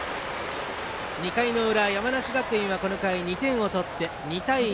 ２回の裏、山梨学院はこの回、２点を取って２対１。